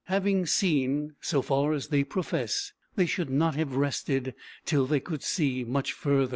Having seen, so far as they profess, they should not have rested till they could see much further.